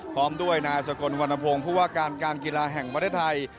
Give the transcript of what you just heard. พร้อมด้วยนายสกลวรรณพงศ์ผู้ว่าการการกีฬาแห่งประเทศไทย